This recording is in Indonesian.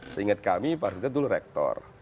seingat kami pak isi dulu rektor